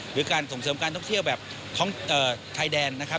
หรือการส่งเสริมการท่องเที่ยวแบบของชายแดนนะครับ